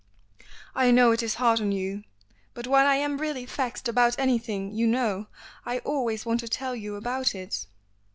"I know it is hard on you, but when I am really vexed about anything, you know, I always want to tell you about it."